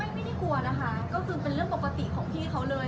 ไม่ได้กลัวนะคะก็คือเป็นเรื่องปกติของพี่เขาเลย